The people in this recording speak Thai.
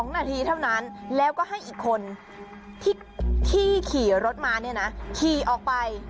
๒นาทีเท่านั้นแล้วก็ให้อีกคนที่ขี่รถมาเนี่ยนะขี่ออกไป